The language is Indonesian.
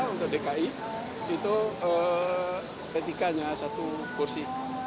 untuk dki itu p tiga hanya satu kursi